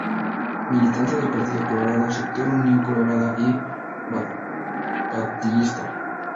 Militante del Partido Colorado, sector Unión Colorada y Batllista.